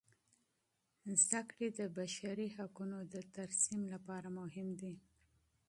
تعلیم د بشري حقونو د ترسیم لپاره مهم دی.